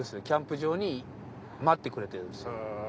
キャンプ場に待ってくれてるんですよ。